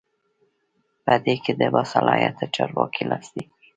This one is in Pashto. په دې کې د باصلاحیته چارواکي لاسلیک وي.